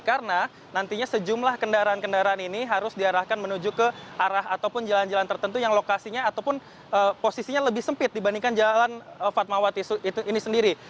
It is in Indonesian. karena nantinya sejumlah kendaraan kendaraan ini harus diarahkan menuju ke arah ataupun jalan jalan tertentu yang lokasinya ataupun posisinya lebih sempit dibandingkan jalan fatmawati ini sendiri